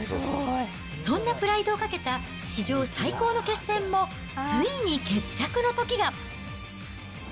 そんなプライドをかけた史上最高の決戦も、ついに決着のときが。